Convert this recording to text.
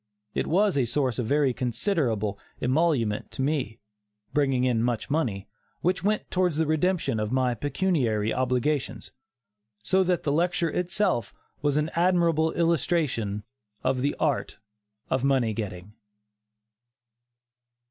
It was a source of very considerable emolument to me, bringing in much money, which went towards the redemption of my pecuniary obligations, so that the lecture itself was an admirable illustration of "The Art of Money Getting."